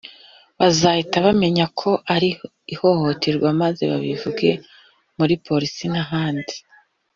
bazahita bamenya ko ari ihohoterwa maze babivuge muri Polisi n’ahandi